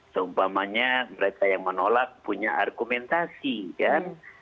seumpamanya mereka yang menolak punya argumentasi kan